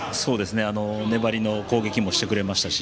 粘りの攻撃もしてくれましたし